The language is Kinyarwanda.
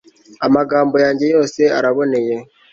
amagambo yanjye yose araboneye